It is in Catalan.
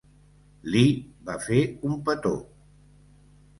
Li va fer un petó.